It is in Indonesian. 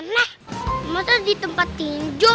lebih baik berantemnya di ring tinju saja